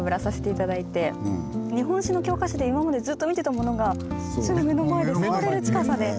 日本史の教科書で今までずっと見てたものがすぐ目の前で触れる近さで。